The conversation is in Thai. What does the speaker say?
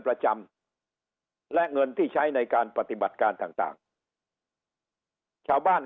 ประจำและเงินที่ใช้ในการปฏิบัติการต่างชาวบ้าน